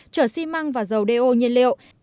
chở xi măng và dầu đeo nhiên liệu